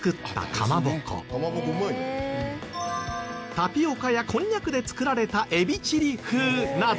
タピオカやこんにゃくで作られたエビチリ風など。